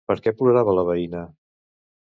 Per què plorava la veïna?